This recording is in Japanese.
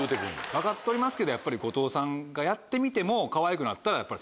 分かっとりますけどやっぱり後藤さんがやってみてもかわいくなったらやっぱり。